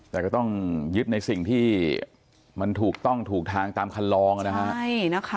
แต่ก็ต้องยึดในสิ่งที่มันถูกต้องถูกทางตามคันลองนะฮะใช่นะคะ